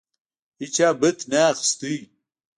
هیچا بت نه اخیست.